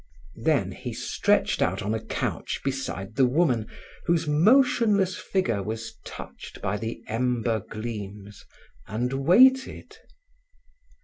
Then he stretched out on a couch beside the woman whose motionless figure was touched by the ember gleams, and waited.